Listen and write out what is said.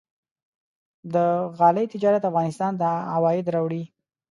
د غالۍ تجارت افغانستان ته عواید راوړي.